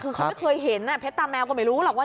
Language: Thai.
คือเขาไม่เคยเห็นเพชรตาแมวก็ไม่รู้หรอกว่า